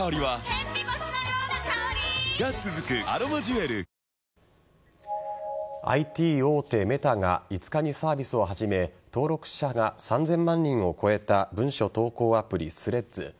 エーザイはＩＴ大手・Ｍｅｔａが５日にサービスを始め登録者が３０００万人を超えた文章投稿アプリ・Ｔｈｒｅａｄｓ。